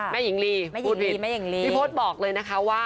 แม่หญิงลีพูดผิดพี่โพรตบอกเลยนะฮะ